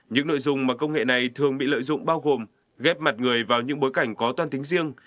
những nội dung mà công nghệ này thường bị lợi dụng bao gồm ghép mặt người vào những bối cảnh có toan tính riêng